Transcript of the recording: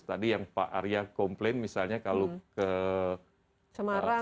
tadi yang pak arya komplain misalnya kalau ke semarang